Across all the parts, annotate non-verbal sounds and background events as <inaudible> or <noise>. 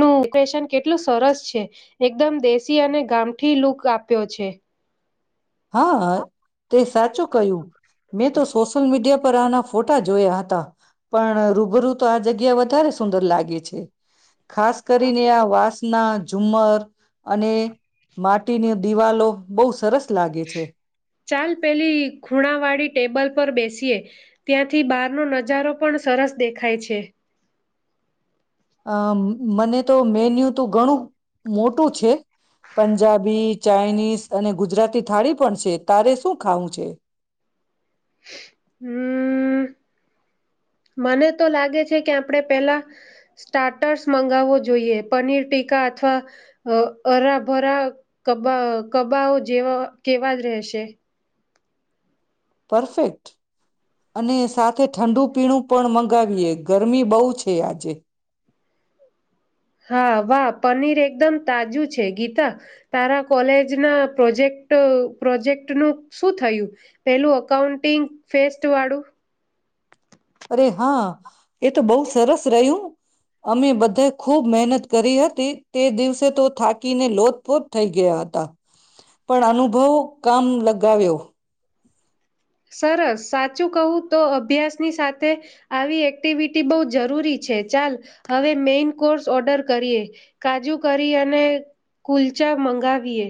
નું ઓપરેશન કેટલું સરસ છે. એકદમ દેશી અને ગામઠી લૂક આપ્યો છે. હા તે સાચું કહ્યું મેં તો સોશિલ મીડિયા પર આના ફોટા જોયા હતા પણ રૂબરૂ તો આ જગ્યા વધારે સુંદર લાગે છે. ખાસ કરીને આ વાસના ઝુમમર અને માટીની દિવાલો. બહુ સરસ. લાગે છે. ચાલ પેલી ઘૂણાવાડીી ટેબલ પર બેસીએ ત્યાંથી બહારનો નજારો પણ સરસ દેખાય છે. અ મને તો મેન્યુ તો ઘણું મોટું છે. પંજાબી ચાઇનીઝ અને ગુજરાતી થાળી પણ છે તારે શું ખાવું છે. હમ મને તો લાગે છે કે આપણે પેલા સ્ટાર્ટર્સ મંગાવવો જોઈએ પનીર ટીકા અથવા હરાભરા કબા કબાઓ જેવા કેવા જ રહેશે. પરફેક્ટ અને સાથે ઠંડુ પીણું પણ મગાવીએ ગરમી બહુ છે આજે. હા વાહ પનીર એક એકદમ તાજું છે ગીત. તારા કોલેજ ના પ્રોજેક્ટ પ્રોજેક્ટ નું શું થયું પેલું અઉન્ટિંગ ફેસ્ટ વાળું. અરે હા એ તો બહુ સરસ રહ્યું અમે બધા ખુબ મહેનત કરી હતી તે દિવસે તો થાકીને લોતપોત થઈ ગયા હતા પણ અનુભવ કામ લગાવ્યો. સરસ સાચું કહું તો અભ્યાસની સાથે આવી એક્ટિવિટી બહુ જરૂરી છે ચાલ હવે મેઈન કોર્સ ઓર્ડર કરીએ કાજુ કરી અને કુલચા મંગાવીએ.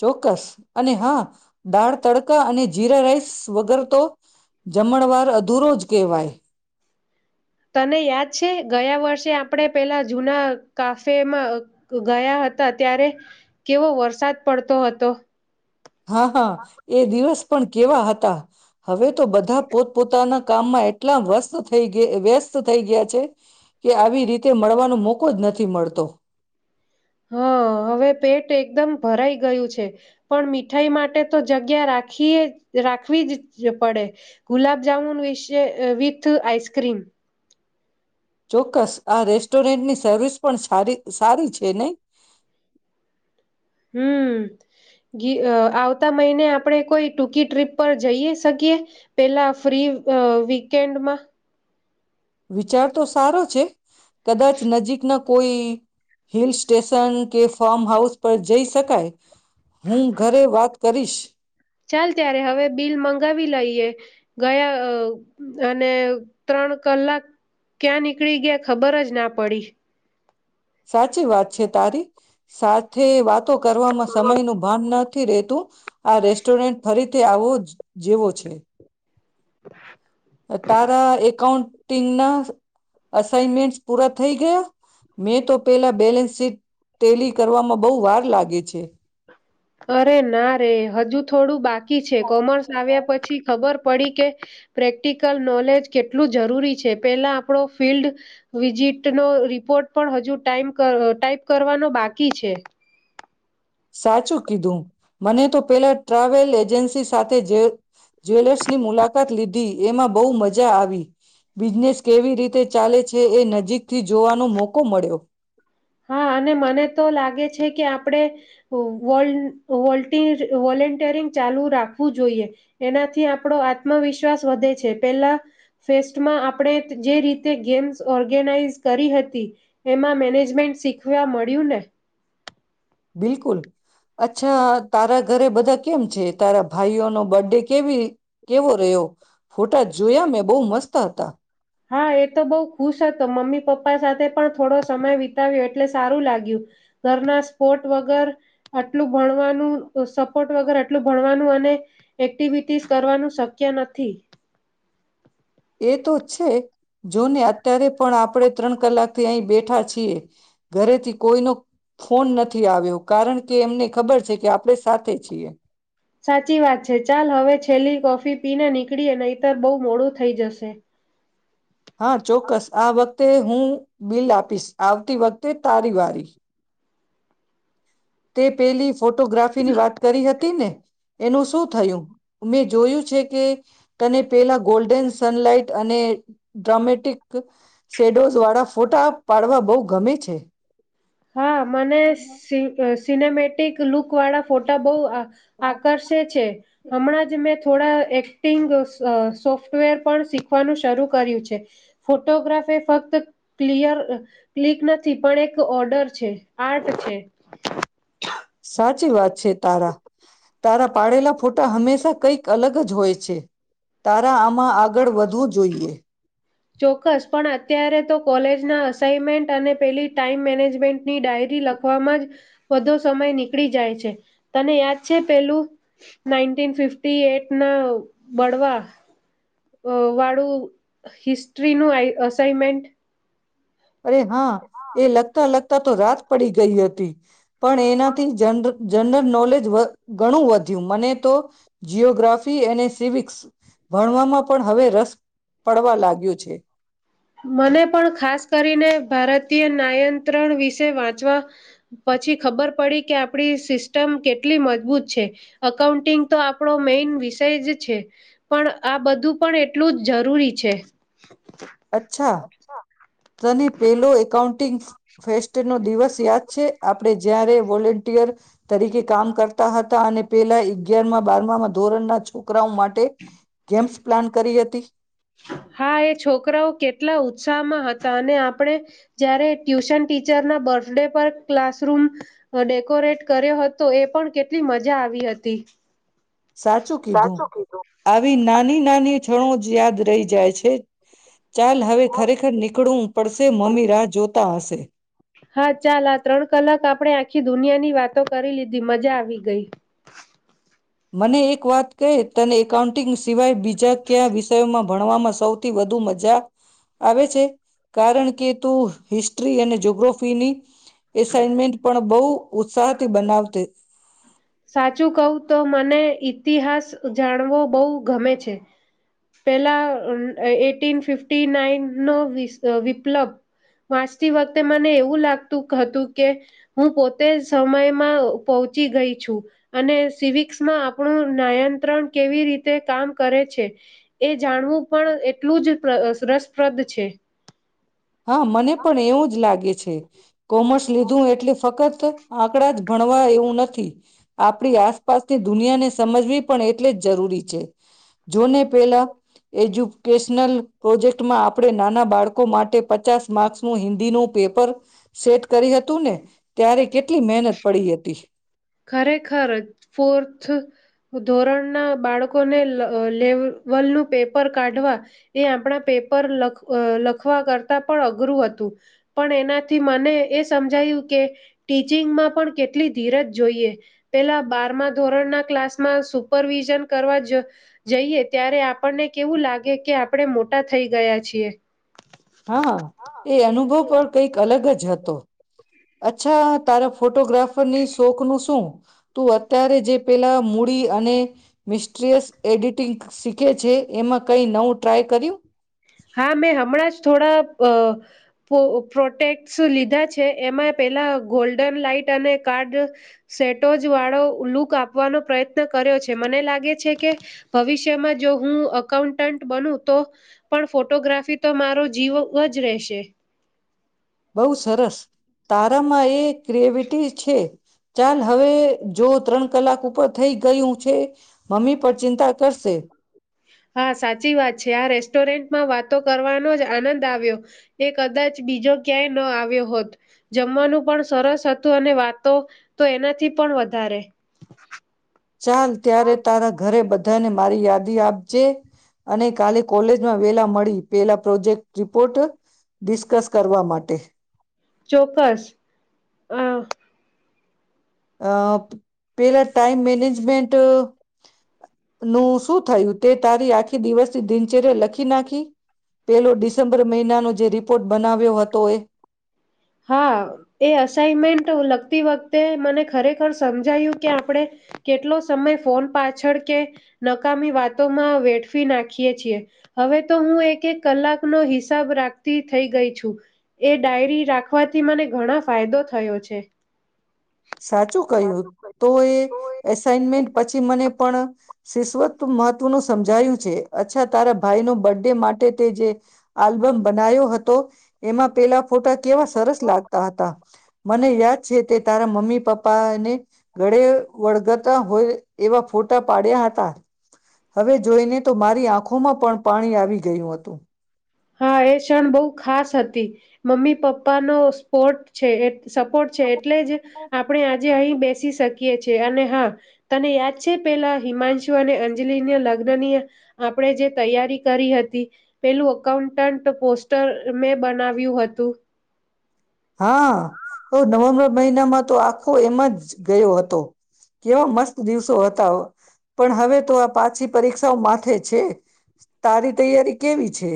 ચોક્કસ અને હા દાળ તડકા અને જીરા રાઈસ વગર તો જમણવાર અધૂરો જ કહેવાય. તને યાદ છે ગયા વર્ષે આપણે પેલા જુના કાફેમાં ગયા હતા ત્યારે કેવો વરસાદ પડતો હતો. હા હા એ દિવસ પણ કેવા હતા હવે તો બધા પોતપોતાના કામમાં એટલા વસ્ત થ વ્યસ્ત થઈ ગયા છે કે આવી રીતે મળવાનો મોકો જ નથી મળતો. હા હવે પેટ એકદમ ભરાઈ ગયું છે પણ મીઠાઈ માટે તો જગ્યા રાખીએ રાખવી જ પડે ગુલાબજામુન વિશે વિથ આઈસક્રીમ. ચોક્કસ આ રેસ્ટોરન્ટની સર્વિસ પણ સારી છે નહી. હમ આવતા મહિને આપણે કોઈ ટૂંકી ટ્રીપ પર જઈએ શકીએ પેલા ફ્રી વીકેન્ડમાં. વિચાર તો સારો છે. કદાચ નજીકના કોઈ હિલ સ્ટેશન કે ફાર્મ હાઉસ પર જઈ શકાય. હું ઘરે વાત કરીશ ચાલ ત્યારે હવે બિલ મંગાવી લઈએ. ગયા અને ત્રણ કલાક ક્યાં નીકળી ગયા ખબર જ ના પડી. સાચી વાત છે તારી સાથે વાત કરવામાં સમય નું ભાન નથી રતું આ રેસ્ટોરન્ટ ફરી આવો જેવો છે. <inaudible> તાર એકાઉન્ટન્ટ. ટીના. અઇનમેન્ટ પૂરા. થઈ ગયા મેં તો પેલા બેલેન્સ શીટ ટેલી કરવામાં બહ વાર લાગે છે. અરે ના રે હજુ થોડું બાકી. છે કોમર્સ આવ્યા પછી ખબર. પડી કે પ્રેક્ટિકલ નોલેજ કેટલું જરૂરી છે પેલા આપણો ફિલ્ડ વિઝિટનોો રિપોર્ટ પણ હજુ ટ ટાઈપ કરવાનો બાકી છે. સાચું કીધું મને તો પેલા ટ્રાવેલ એજન્સી સાથે જ્વેલર્સ. ની મુલાકાત લીધી. એમાં બહુ મજા આવી બિઝનેસ કેવી રીતે ચાલે છે એ નજીક. થી જોવાનો મોકો મળ્યો. હા અને મને તો લાગે છે કે આપણે વ વોલન્ટિયરિંગ ચાલુ રાખવું જોઈએ એનાથી આપણો આત્મવિશ્વાસ વધે છે પેલા ફેસ્ટમાં આપણે જે રીતે ગેમ્સ ઓર્ગેનાઈઝ કરી હતી એમાં મેનેજમેન્ટ. શીખવા મળ્યું ને. બિલકુલ અચ્છા તારા ઘરે બધા કેમ છે તારા ભાઈઓનો બર્થડે કેવી કેવો રહ્યો ફોટા જોયા મેં બહુ મસ્ત હતા. હા એ તો બહુ ખુશ હતો મમ્મી પપ્પા સાથે પણ થોડો સમય વિતાવ્યો એટલે સારું લાગ્યું ઘરના સ્પોર્ટ વગર આટલું ભણવાનું સપોર્ટ વગર આટલું ભણવાનું અને એક્ટિવિટીસ કરવાનું શક્ય નથી. એ તો છે જોને અત્યારે પણ આપણે. ત્રણ કલાકથી અહી બેઠા છીએ ઘરેથી કોઈનો ફોન નથી આવ્યો કારણ કે એમને ખબર છે કે આપણે સાથે છીએ. સાચી વાત છે ચાલ હવે છેલ્લી કોફી પીને નીકળી અને ઈતર બહુ મોડું થઈ જશે. હા ચોક્કસ આ વખતે હું બિલ આપીશ આવતી વખતે તારી વારી. તે પેલી ફોટોગ્રાફી ની વાત કરી હતી ને એનું શું થયું મેં જોયું છે કે તને પેલા ગોલ્ડન. સનલાઇટ અને ડ્રામેટિક શેડોઝ વાળા ફોટા પાડવા બહુ ગમે છે. હા મને સિ. સિનેમેટિક લુકવાળા ફોટા બહુ આ. આકર્ષે છે. હમણાં જ મેં થોડા એક્ટિંગ સોફ્ટવેર પણ શીખવાનું શરૂ કર્યું છે ફોટોગ્રાફી ફક્ત ક્લયર ક્લિક નથી પણ એક. છે આટ છે. સાચી વાત છે તારા તારા પાડેલા ફોટા હંમેશા કઈક અલગ જ હોય છે તારા આમાં. આગળ વધવું જોઈએ ચોક્કસ પણ અત્યારે તો કોલેજ. ના અનમેન્ટ અને પેલી ટાઈમ મેનેજમેન્ટની ડાયરી લખવાવામાં જ વધો સમય નીકળી જાય છે તને યાદ છે પેલું નાઈન ફિફ એટ ના બળવા. અ વાળું હિસ્ટ્રીનું આ અસાઈનમેન્ટ. અરે હા એ લગતા લગતા તો રાત પડી ગઈ હતી. પણ એનાથી જન. જનરલ નોલેજ ગણું વધ્યું મને તો જીઓગ્રાફી અને સિવિક્સ. ભણવામાં પણ હવે રસ. પડવા લાગ્યું છે. મને પણ ખાસ કરીને ભારતીય નાયંત્રણ વિશે વાંચવા પછી ખબર પડી કે આપણી સિસ્ટમ કેટલી મજબૂત છે અઉન્ટિંગ તો આપણો મેઈન વિષય જ છે પણ આ બધું પણ એટલું જ જરૂરી છે. <unintelligible> છ. તને પેલો એકાઉન્ટિંગ્સ. ફેસ્ટ નો દિવસ યાદ છે આપણે જયારે વોલન્ટિયર તરીકે કામ કરતા હતા અને પેલા અગયારમાં બારમામાં ધોરણ ના છો. માટે ગેમ પ્લાન કરી હતી. હા એ છોકરાઓ કેટલા ઉત્સાહમાં હતા અને આપણે જયારે ટ્યુશન ટીચરના બર્થડે પર ક્લાસરૂમ ડેકોરેટ કર્યો હતો એ પણ કેટલી મજા આવી હતી. સાચું કીધું આવી નાની નાની. ખ. યાદ રહી જાય છે. ચાલ હવે ખરેખર નીકળવું પડશે મમ્મી રાહ જોતા હશે. હા ચાલ આ ત્રણ કલાક આપણે આખી દુનિયાની વાતો કરી લીધી મજા આવી ગઈ. મને એક વાત ક તને એકાઉન્ટિંગ સિવાય બીજા કયા વિષયોમાં ભણવામાં સૌથી વધુ મજા આવે છે કારણ કે તું હિસ્ટસ્ટ્રી અને જગ્રફીની. એસાઇનમેન્ટ પણ બહુ ઉત્સાહ. બનાવતે. સાચું કહું તો મને ઈતિહાસ જાણવો બહુ ગમે છે પેલા એટીન ફિફ્ટ નાઈન નો વિપ્લબ વાંચતી વખતે મને એવું લાગતું હતું કે હું પોતે સમયમાં પહોંચી ગઈ. છ અને સિવિક્સમાં આપણું નાયંત્રણ કેવી રીતે કામ કરે છે એ જાણવું પણ એટલું જ રસપ્રદ છે. હા મને પણ એવું જ લાગે છે. <unintelligible> કોમર્સ લીધું એટલે ફક્ત. આંકડા જ ભણવા એવું નથી આપણી આસપાસની દુનિયાને સમજવી પણ એટલે જ જરૂરી છે જોને પેલા એજ્યુકેશનલ પ્રોજેક્ટમાં આપણે નાના બાળકો માટે. પચાસ માર્ક્સ નું હિન્દી ન પેપર સેટ કરી હતું ને ત્યારે કેટલી મહેનત પડી હતી. ખરેખર ફોર્થ ધોરણના બાળકોને લેવલનું પેપર કાઢવા એ આપણા પેપર લખ લખવા કરતા પણ અઘરું હતું પણ એનાથી મને એ સમજાયું કે ટીચિંગમાં પણ કેટલી ધીરજ. જોઈએ પેલા બારમા ધોરણ ના ક્લાસમાં સુપરવિઝન કરવા જઈએ ત્યારે આપણને કેવું લાગે કે આપણે મોટા થઈ ગયા છીએ. હા એ અનુભવ પણ કઈક અલગ જ હતો. અચ્છા તારા ફોટોગ્રાફરની શોખનું શું તું અત્યારે જે પેલા મૂડી અને મિસ્ટ્રીિયસ એડિટિંગ શીખે છે એમાં કઈ નવું ટ્રાય કર્યું. હા મેં હમણાં જ થોડા અ પ્રોટેક્ટસ લીધા છે એમાં પેલા ગોલ્ડન લાાઈટ અને કાર્ડ સેટોજ વાળો લુક આપવાનો પ્રયત્ન કર્યો છે મને લાગે છે કે ભવિષ્યમાં જો હું અઉન્ટન્ટ બન તો. પણ ફોટોગ્રાફી તો મારો જીવ જ રહેશે. બહુ સરસ તારામાં એ ક્રિએવિટી છે ચાલ હવે જો ત્રણ કલાક ઉપર થઈ ગયું છે મમ્મી પર ચિંતા કરશે. હા સાચી વાત છે આ રેસ્ટોરન્ટમાં વાતો કરવાનો જ આનંદ આવ્યો એ કદાચ બીજો ક્યાંય ન આવ્યો હોત જમવાનું પણ સરસ હતું અને વાતો તો એનાથી પણ વધારે. ચાલ ત્યારે તારા ઘરે બધા. બધાને મારી યાદી આપજે અને કાલે કોલેજમાં વેલા મળી પેલા પ્રોજેક્ટ રિપોર્ટ ડિસ્કસ કરવા માટે. ચોક્કસ અ. અ પેલા ટાઈમ મેનેજમેન્ટનુંું શું થયું તે તારી આખી દિવસની દિનચર્યા લખી નાખી પેલો ડિસેમ્બર મહિનાનો જે રિપોર્ટ બનાવ્યો હતો એ. હા એ અસાઈનમેન્ટ લગતી વખતે મને ખરેખર સમજાયું કે આપણે કેટલો સમય ફોન પાછળ કે નકામી વાતોમાં વેઠવી નાખીએ છીએ હવે તો હું એક એક કલાકનોો હિસાબ રાખતી થઈ ગઈ છું એ ડાયરી રાખ. રાખવાથી મને ઘણા ફાયદો થયો છે. સાચું કહ્યું તો એ એસાઈનમેન્ટ પછી મને પણ. શિસ્વત મહત્વ નું સમજાયું છે અચ્છા તારા ભાઈ નો બર્થ ડે માટે તે જે આલ્બમ બનાવ્યો હતો એમાં પેલા. ફોટા કેવા સરસ લાગતા હતા મને યાદ છે તે. <unintelligible> મમ્મી પપ્પાને ઘળે વળગતા હોય એવા ફોટા પાડ્યા હતા. હવે જોઈને તો મારી આંખો ઓમાં પણ પાણી આવી ગયું હતું. હા એ ક્ષણ બહુ ખાસ હતી મમ્મી પપ્પાનો સ્પોર્ટ છે એ સપોર્ટ છે એટલે જ આપણે આજે અહી બે શકીએ છે અને હા તને યાદ છે પેલા હિમાંશુ અને અંજલિના લગ્ન ની આપણે જે તૈયારી કરી હતી પેલું અકાઉન્ટન્ટ પોસ્ટર મે બનાવ્યું હતું. હા ઓ નવેમ્બર મહિનામાં તો આખો એમ જ ગયો હતો કેવા મસ્ત દિવસો હતા પણ હવે તો આ પાછી પરીક્ષાઓ માથે છે તારી તૈયારી કેવી છે.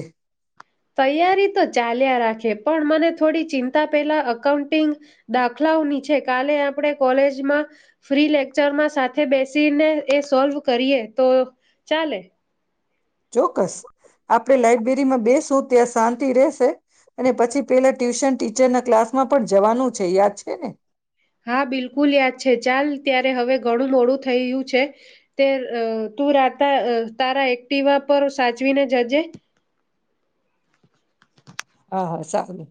તૈયારી તો ચાલ્યા રાખે પણ મને થોડી ચિંતા પેલા અકાઉન્ટિંગ દાખલાઓની છે કાલે આપણે કોલેજમાં ફ્રી લેક્ચરમાં સાથે બેસીને એ સોલ્વ કરીએ તો ચાલે. ચોક્કસ આપ આપણે લાઈબ્રેરીમાં બે સું ત્યાં શાંતિ રહેશે. અને પછી પેલા ટ્યુશન ટીચરના ક્લાસ માં પણ જવાનું છે યાદ છે ને. હા બિલકુલ યાદ છે ચાલ ત્યારે હવે ઘણું મોડું થઈયું છે તે તું રાતા તારા એક્ટિવા પર સાચવીને જજે. હા હા સારું.